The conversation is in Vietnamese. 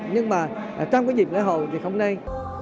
nhưng mà trong cái dịp lễ hội thì không nên